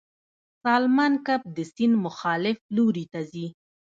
سالمن کب د سیند مخالف لوري ته ځي